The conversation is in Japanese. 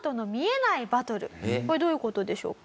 これどういう事でしょうか？